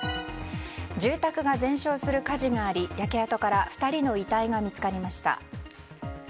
住宅が全焼する火事があり焼け跡から２人の遺体が見つかりました。